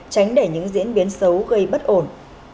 tránh để những diễn biến xấu gây bất ổn